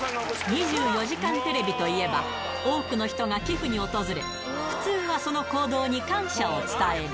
２４時間テレビといえば、多くの人が寄付に訪れ、普通はその行動に感謝を伝える。